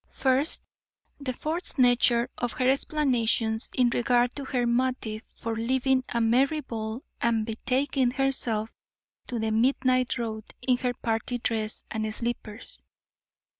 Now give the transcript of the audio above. First The forced nature of her explanations in regard to her motive for leaving a merry ball and betaking herself to the midnight road in her party dress and slippers.